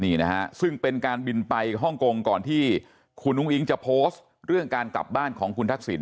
นี่นะฮะซึ่งเป็นการบินไปฮ่องกงก่อนที่คุณอุ้งอิ๊งจะโพสต์เรื่องการกลับบ้านของคุณทักษิณ